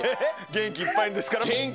げんきいっぱいですから。